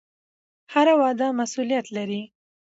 هره وعده مسوولیت لري